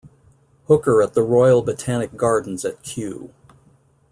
Hooker at the Royal Botanic Gardens at Kew.